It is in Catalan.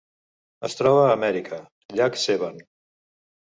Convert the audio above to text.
Es troba a Armènia: llac Sevan.